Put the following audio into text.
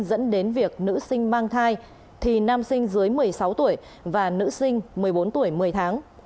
dẫn đến việc nữ sinh mang thai thì nam sinh dưới một mươi sáu tuổi và nữ sinh một mươi bốn tuổi một mươi tháng